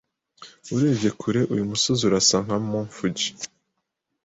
Urebye kure, uyu musozi urasa na Mt. Fuji.